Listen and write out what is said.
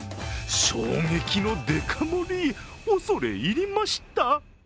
衝撃のデカ盛り、恐れ入りました。